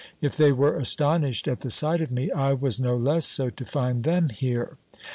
If they were astonished at the sight of me, I was no less so to find them here.